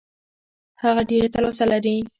هغه ډېره تلوسه لري .